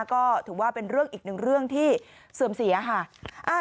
ก็ถือว่าเป็นเรื่องอีกหนึ่งเรื่องที่เสื่อมเสียค่ะ